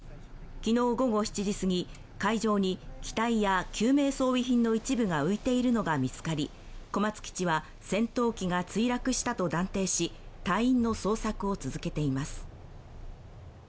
昨日午後７時すぎ、海上に機体や救命装備品の一部が浮いているのが見つかり小松基地は戦闘機が墜落したと断定し隊員の捜索を続けています。